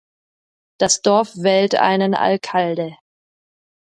Das Dorf wählt einen "Alcalde".